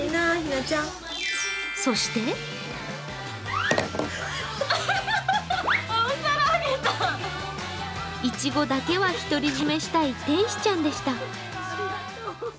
そしていちごだけは独り占めしたい天使ちゃんでした。